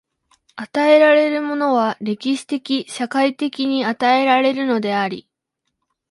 与えられるものは歴史的・社会的に与えられるのであり、